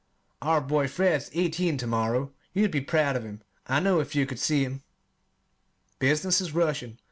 Our boy Fred is eighteen to morrow. You'd be proud of him, I know, if you could see him. Business is rushing.